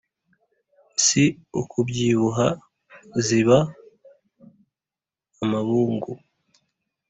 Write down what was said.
Si ukubyibuha ziba amabungu.